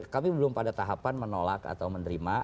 kami belum pada tahapan menolak atau menerima